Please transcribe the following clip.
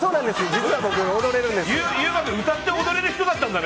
実は僕歌って踊れるんです。